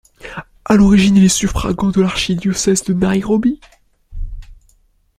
À l'origine, il est suffragant de l'archidiocèse de Nairobi.